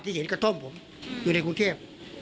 ที่เห็นกระต้มผมอยู่ในกรุงเทพ